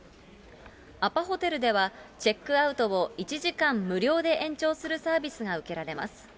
アパホテルでは、チェックアウトを１時間無料で延長するサービスが受けられます。